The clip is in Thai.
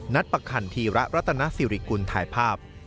ประคันธีระรัตนสิริกุลถ่ายภาพ